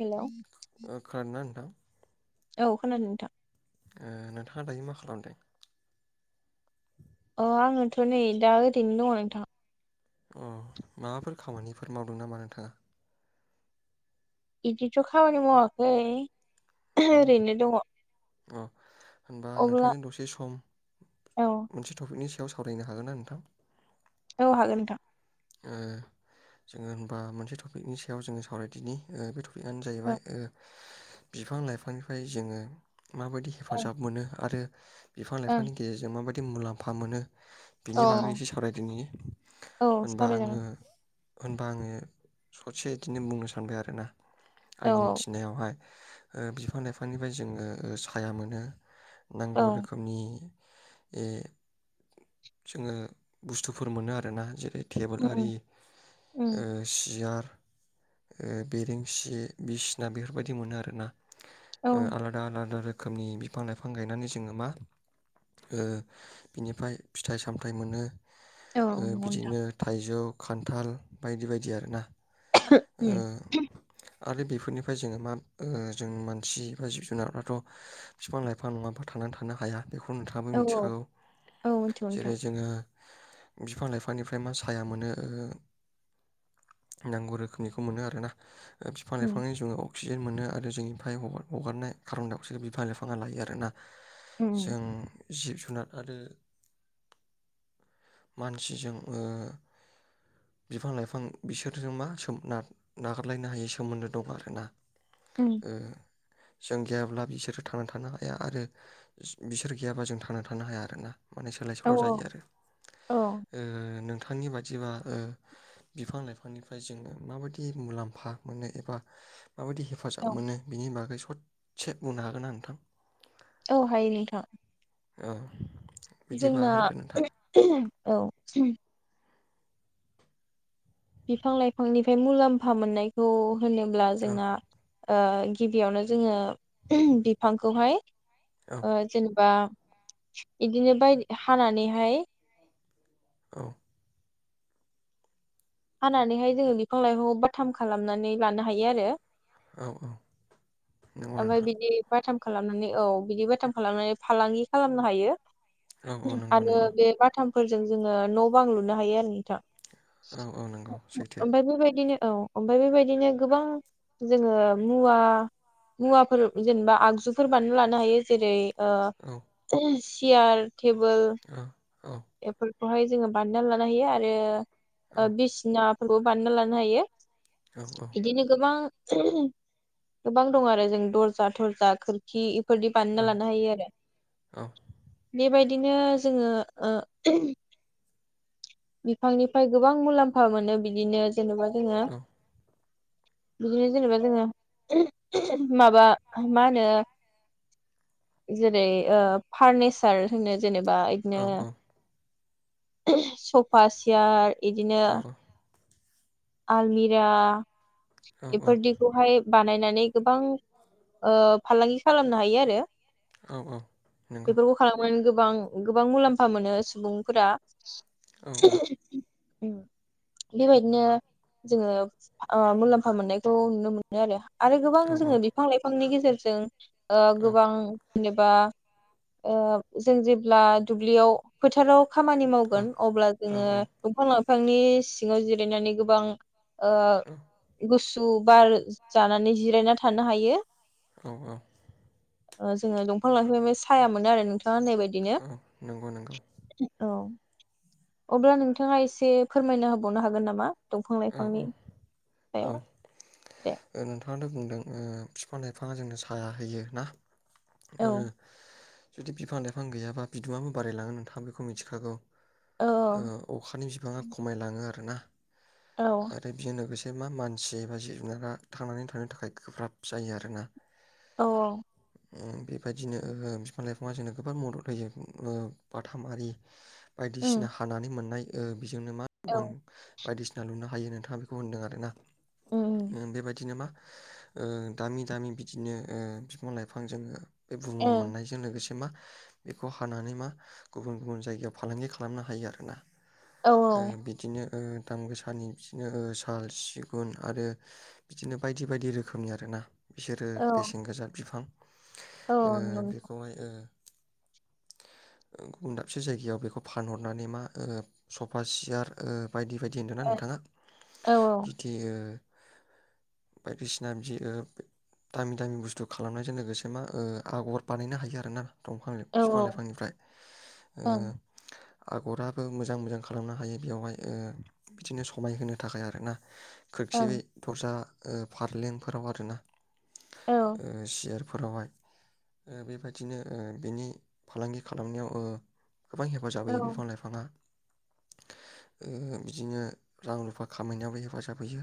Hello ओ खोनादोंना नोंथां? औ खोनादों नोंथां। नोंथाङा दायो मा खालामदों? अ आङोथ' नै दा ओरैनो दङ नोंथां। अ माबाफोर खामानिफोर मावदों नामा नोंथाङा? इदिथ' खामानि मावाखै। ओरैनो दङ। औ होनबा अब्ला नोंथांजों दसे सम औ मोनसे टपिकनि सा याव सावरायनो हागोन ना नोंथां? औ हागोन नोंथां। ओ जोङो होनबा मोनसे टपिकनि सायाव जोङो सावरायदिनि ओ बे टपि बेआनो औ जाहैबाय ओ बिफां लाइफांनिफ्राय जोङो माबायदि ओं हेफाजाब मोनो आरो बिफां ओं लाइफनि गेजेरजों माबाद दि मुलाम्फा मोनो औ बिनि बागै एसे सावरायदिनि औ बा सावरायजागोन आंङो होनबा आंङो ससे इदिनो बुंनो सानबाय आरोना। औ आंनि मिथिनायावहाय। ओ बिफां लाइफांनिफ्राय जोङो साया मोनो। औ नांगौ रोखोमनि बे जोंङो बुस्थुफोर मोनो आरोना जेरै टेबोल उम उम आरि ओ उम सियार ओ बेरेंसि बिसिना बेफोरबायदि मोनो आरोना। औ ओ आलादा आलादा रो खोमनि बिफां लाइफां गायनानै जोङो मा ओ बिनिफ्राय फिथाइ सामथायाइ मोनो। औ ओ नोंगौ नोंथां। बिदिनो थाइजौ खान्थाल बायदि बायदि आरो ना अम आरो बेफोरनिफ्राय जोङो मा जों मानसि बा जिब जुनारफ्राथ' बिफां लाइफां नङाबा थांनानै थानो हाया बेखौ नोंथाङाबो औ औ मिथिखागौ औ मिथिगौ नोंथां जेरै जोङो बिफां लाइफांनिफ्राय मा साया मोनो नांगौ रोखोमनिखौ मोनो आरोना बिफां उम लाइफांनि जुग आव अक्सिजेन मोनो आरो जोंनिफ्रायगार हगारनाय खाब्रनडाइ आखौ बिसोरो बिफां लाइफाङा लायो आरो ना उम जों जिब-जुनार आरो मानसिजों ओ बिफांलाइफां बिसोरजों मा नागारलायनो हायै सोमोन्दो दं आरोना उम ओ जों गैयाब्ला बिसोरो थांना थानो हाया आरो बिसोर गैयाबा जों थांना थानो हाया आरोना माने सोलाय औ सोल जायो आरो औ नों थांनि बायदिबा बिफां लाइफांनिफ्राय जोङो माबायदि मुलाम्फा मोनो एबा माबायदि हेफाजाब औ मोनो बिनि बागै ससे बुंनो हागोना नोंथां? औ हायो नोंथां। ओ जोंना औ बिफां-लाइफांनिफ्राय मुलाम्फा मोननायखौ होनोब्ला औ जोंना ओ गिबियावनो जोङो बिफांखौहाय औ अ जेनेबा बिदिनो बाय हानानैहाय औ हानानैहाय जोंङो बिफां लाइफां बाथाम खालामनानै लानो हायो आरो औ औ नंगौ ओमफाय नोंथां बिदि बाथाम खालामनानै औ बिदि बेथाम खालामनानै फालांगि खालामनो हायो। औ औ नंगौ आरो नंगौ बे माथाम फोरजों जोङो न' बां लुनो हायो आरो नोंथां औ औ नंगौ सैथो ओमफ्राय बेबायदिनो औ ओमफ्राय बेबायदिनो गोबां जोङो मुवा मुवाफोर जेनेबा आगजुफोर बानायना लानो हायो जेरै अ औ सियार थेबोल, औ औ एफोर खौहाय जोङो बानायना लानाय हायो आरो औ ओ बिसना फोरखौ बानायना लानो हायो। औ इदिनो गोबां गोबां दं आरो जों दर्जा थरजा खोरखि फोरदि औ बानायना लानो हायो आरो बेबाय दिनो जोङो [inaudible] बिफांनिफाय गोबां मुलाम्फा मोनो बिदिनो जेन'बा जोङो बिदिनो जेनेबा जोङो माबा मा होनो जेरै ओ फार्निसार होनो जेनेबा इदिनो औ सख फा सियार इदिनो औ आलमिरा औ औ एफोरदिखौहाय बानायनानै गोबां ओ फालांगि खालामनो हायो आरो। औ औ नंगौ बेफोरखौ खालामनानै गो बां गोबां मुलाम्फा मोनो सुबुंफोरा। औ औ। ओम बेबायदिनो जोङो ओ मुलाम्फा मोननायखौ नुनो मोनो आरो। आरो गोबां औ जोङो बिफां लाइफांनि गे जेरजों ओ औ गोबां [unintelligible] नेबा ओ जों जेब्ला दुब्लियाव, फोथाराव खामानि मावगोन अब्ला औ जोङो दफां ला फांनि सिङाव जिरायनानै गो बां ओ गुस सु बार जानानै जिरायना थानो हायो। औ औ ओ जोङो दंफां लांफांनिफाय साया मोनो आरो नोंथां ङा होननाय बायदिनो नंगौ नंगौ औ अब्ला नोंथाङा एसे फोरमायना होबावनो हागोन नामा? दंफां औ लाइफांनि औ ओ सायाव दे नोंथाङाथ' बुंदों ओ फिफां लाइफाङा जोंनो साया होयो ना औ ओ जुदि बिफां लाइफां गैयाबा बिदुङाबो बारायलाङो नोंथां बेखौ मिथिखागौ औ ओ अखानि बिबाङा खमायलाङो आरोना औ आरो बेजों लोगोसे मा मानसि एबा जिब जुनारा थांनानै थानो थाखाय गोब्राब जायो आरोना। औ औ ओं बेबायदिनो बिफां लाइफाङा जोंनो गोबां मदद होयो ओ बाथाम आरि बायदिसिना उम हानानै मोननाय ओ बेजोंनो मा औ गोबां बायदिसिना लुनो हायो नोंथाङा बेखौ होनदों आरो ना उम बेबायदिनो मा ओ दामि दामि बिदिनो ओ फिफां लाइफां जोङो बे बुहुमाव उम मोननायजों लोगोसे मा बेखौ हानानै मा गुबुन गुबुन जायगायाव फालांगि खालामनो हायो आरोना ओ ओं बिदिनो ओ दाम गोसानि बिदिनो ओ साल सिगुन आरो बिदिनो बायदि बायदि रोखोमनि आरो ना बिसोरो औ बेसेन गोसा फिफां औ ओ औ नंगौ बेखौहाय ओ गुबुन दाबसे जायगायाव बेखौ फानहरनानै मा ओ सफा सियार ओ बायदि बायदि होनदोंना नोंथां नोंथाङा औ बिदि बायदिसिना बिदि ओ दामि दामि बुस्थु खालामनायजों लोगोसे मा ओ आगर बानायनो हायो आरोना दंफां लाय औ फिफां लाइफांनिफ्राय ओं आगराबो मोजां मोजां खालामनो हायो बेवहाय ओ बिदिनो समायहोनो थाखाय आरोना खोरखि ओं दरजा ओ फारलेंफोराव आरोना औ ओ‌‌ सेयार फोरावहाय ओ बेबायदिनो ओ बेनि फालांगि खालामनायाव ओ गोबां हेफाजाब औ होयो बिफां लाइफाङा ओ बिद बिदिनो रां रुफा खामायनायावबो हेफाजाब होयो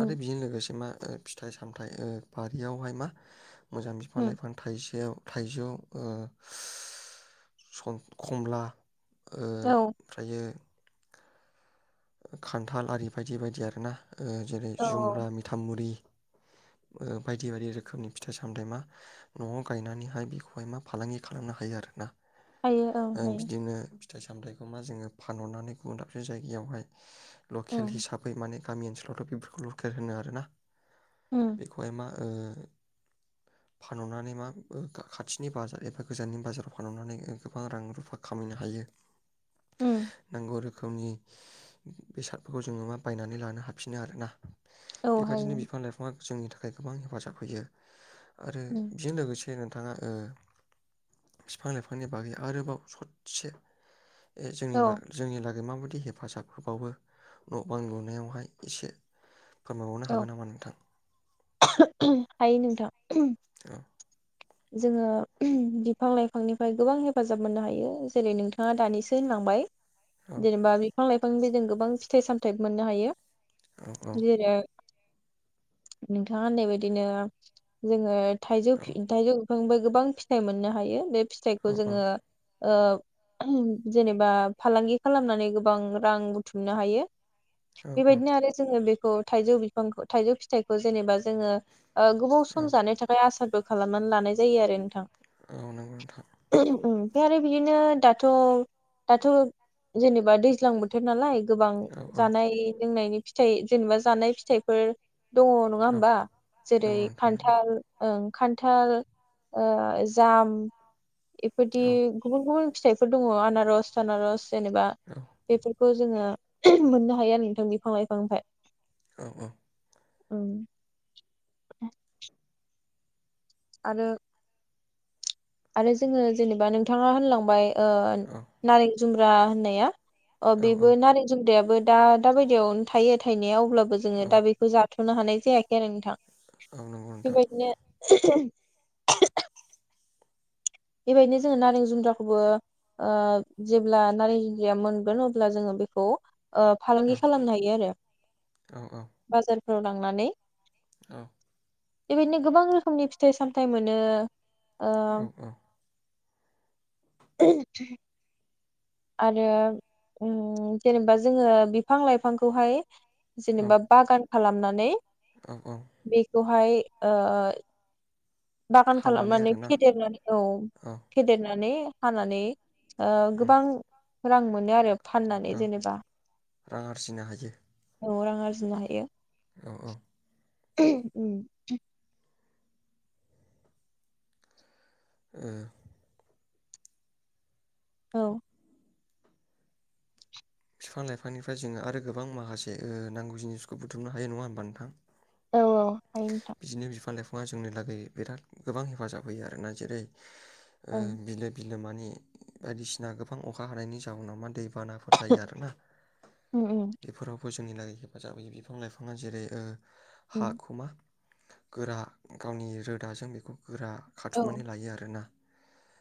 आरो बेजों लोगोसे मा ओ फिथाइ सामथायाइ ओ बारियावहाय मा मोजां बिफां उम लाइफां थाइसेयाव थाइजौ ओ सम खमला औ औ ओमफ्रायो खान्थाल आरि बायदि बायदि आरो ना। ओ जेरै औ जुमब्रा मिथामुरि ओ बायदि बायदि रोखोमनि फिथाइ सामथायाइ मा न'आव गायनानैहाय बेखौहाय मा फालांगि खालामनो हायो आरो ना। हायो औ ओं हायो बिदिनो फिथाइ सामथायखौ मा जोंङो फानहरनानै गुबुन दाबसे जायगायावहाय लकेल उम हिसाबै माने गामि ओनसोलाव थव ऐशओ बेफोरखौ लकेल होनो आरो ना। उम बेखौहाय मा ओ फानहरनानै मा खाथिनि बाजार एबा गोजाननि बाजाराव फानहरनानै गोबां रां रुफा खामायनो हायो। उम नोंगौ रो गावनि बेसादफोरखौ जोंङो मा बायनानै लानो हाफिनो आरो ना। औ हायो बेबायदिनो बिफां लाइफांआ जोंनि थाखाय गोबां हेफाजाब होयो। आरो उम बिजों लोगोसे दे नोंथांङा ओ फिफां लाइफांनि बागै आरोबाव सतसे जों जोंनिबा औ जोंनि ला दे माबादि हेफाजाब बावबो न' बां लुनायावहाय एसे फोरमायबावनो औ हागोन नामा नोंथां? हायो नोंथां। औ जोङो बिफां लाइफांनिफ्राय गोबां हेफाजाब मोननो हायो जेरै नोंथाङा दानिसो होनलांबाय। औ जेनेबा बि बिफां लाइफांनिफ्राय जों गोबां फिथाइ सामथायाइबो मोननो हायो। औ औ जेरै नोंथांङा होननाय बायदिनो जोंङो थाइजौ औ फि थाइजौ बिफांनिफ्राय गोबां फिथाइ मोननो हायो बे औ फिथाइखौ जोङो ओ [unintelligible] जेनेबा फालांगि खालामनानै गोबां रां बुथुमनो हायो। औ औ बेबायदिनो आरो जोङो बे खो थाइजौ बिफांखौ थाइजौ फिथाइ खौ जेनेबा जोङो ओ गोबाव औ सम जानो थाखाय आसारबो खालामनानै लानाय जायो आरो नोंथां औ नंगौ नोंथां फ्राय आरो बिदिनो दाथ' दाथ' जेनेबा दैज्लां बोथोर नालाय गोबां औ औ जानाय लोंनायनि फिथाइ जेनेबा जानाय फिथाइफोर दङ' नङा औ नंगौ होमबा जेरै नोंथां नंगौ खान्थाल ओं खान्थाल ओ जाम एफोरदि औ गुबुन गुबुन फिथाइफोर दङ' आनारस थानारस जेनेबा औ बेफोरखौ जोङो [unintelligible] मोननो हायो आरो नोंथां बिफां लाइफांनिफाय औ औ उम आरो आरो जोङो जेनेबा नोंथाङा होनलांबाय ओ औ नारें जुमब्रा होननाया अ औ बेबो नारें जुमब्रायाबो दा दाबायदियावनो थायो थायना याव अब्लाबो जोङो औ दा बेखौ जाथ थ'नो हानाय जायाखै आरो नोंथां औ नंगौ नोंथां [unintelligible] बेबायदिनो जोङो नारें जुमब्राखौबो ओ जेब्ला नारें जुमब्राया मोनगोन अब्ला जोङो बेखौ औ ओश्रफालांगि खालामनो हायो आरो। औ बाजार र' लांनानै औ बेबायदिनो गोबां रोखोमनि फिथाइ सामथाइ मोनो ओ औ औ। [unintelligible] आरो जेनेबा जोङो बिफां लाइफांखौहाय औ जेनेबा बागान खालामनानै औ औ हाय ओ बागान हानानै खालामनानै आरोना फेदेरनानै औ औ फेदेरनानै हानानै उम गोबां रां मोनो आरो। फाननानै औ जेनेबा रां आरजिनो हायो। औ रां आरजिनो हायो। औ औ। उम। उम। औ। बिफां लाइफांनिफ्राय जोङो आरो गोबां माखासे नांगौ जिनिसखौ बुथुमनो हायो नङा होमबा नोंथां? औ औ। हायो नोंथां बिदिनो बिफां-लाइफां जोंनि लागै बिराद गोबां हेफाजाब होयो आरोना जेरै ओं उम बिनो बि बिमानि बायदिसिना गोबां अखा हानायनि जाहोनाव मा दै बाना जायो आरोना उम उम बेफोरावबो ज' जोंनिलागै हेफाजाब होयो बिफां लाइफाङा जेरै उम हा ख'मा गोरा गावनि रोदाजों बेखौ गोरा औ खाथुमनानै लायो आरोना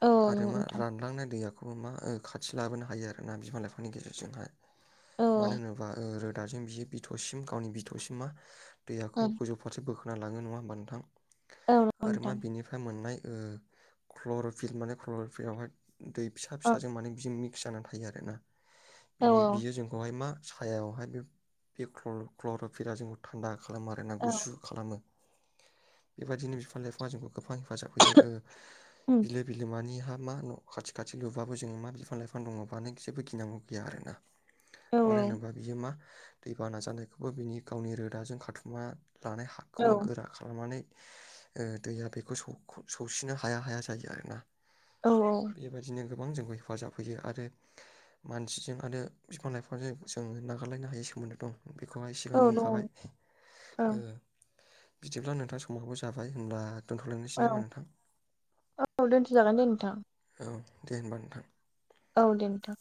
औ आरो नंगौ मा नोंथां रानलांनाय दैया बेखौ मा खाथि लाबोनो हायो आरोना बिमा लाइफांनि गेजेरजोंहाय। औ मानो ओं होनोबा रो दाजों बियो बिथौसिम गावनि बिथौसिम मा? दैहाखौ औ गोजौ फारसे बोखां बना लाङो नङा होमबा नोंथां। नंगौ आरो मा नोंथां बिनिफ्राय मोननाय ओ क्लरिफिल माने क्लरिफिलआवहाय दै फिसा औ फिसाजों माने बिहुं नि फिसा जानानै थायो आरो ना। औ बिनि बियो जोंखौहाय मा। सायावहाय बे बे क्लर'फिलाआ जोंखौ थान्दा खालामो आरो ना औ गुसु खालामो। बेबायदिनो बिफां लाइफाङा जोंखौ गोबां हेफाजाब होयो ओ। उम बिलो बिलोमानि हा मा न' खाथि खाथि लुबाबो जोंङो मा बिफां लाइफां दंङब नों जेबो गिनांगौ गैया आरो ना। औ मानो होनोबा बियो मा। दैबान नाजानायखौबो बिनि गावनि रोदाजों खाथुमना लानाय। औ एखौबा गोरा खालामनानै। ओ दैया बेखौ सौ सौसिनो हाया हाया जायो आरोना। औ बेबायदिनो गो गोबां जोंखौ हेफाजाब होयो आरो मानसिजों आरो बिफां लाइफांजों जों नागारलायनो हायै सोमोन्दो दं। बेखौहाय औ सिगाङाव बुंखाबाय औ ओ बिदिब्ला नोंथांङा समावबो जाबाय होनब्ला औ औ दोनथ'जागोन दे नोंथां। औ दे होनबा नोंथां। औ दे नोंथां।